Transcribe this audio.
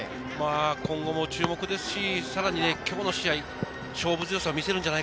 今後も注目ですし、さらに今日の試合、勝負強さ見せるんじゃない